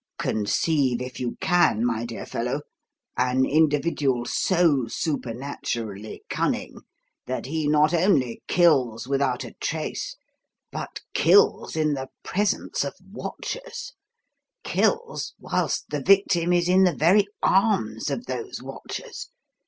Conceive if you can, my dear fellow, an individual so supernaturally cunning that he not only kills without a trace, but kills in the presence of watchers kills whilst the victim is in the very arms of those watchers!